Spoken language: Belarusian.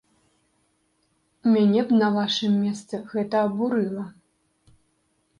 Мяне б на вашым месцы гэта абурыла.